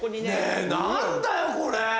ねぇ何だよこれ！